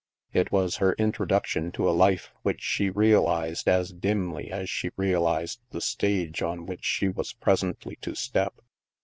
It was her introduction to a Ufe which she realized as dimly as she realized the stage on which she was presently to step.